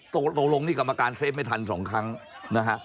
ตกลงนี่กรรมการเฟฟไม่ทัน๒ครั้งนะฮะ